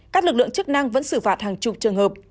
các lực lượng chức năng vẫn xử phạt hàng chục trường hợp